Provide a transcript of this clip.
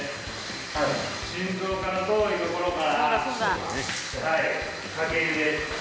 心臓から遠いところからかけ湯です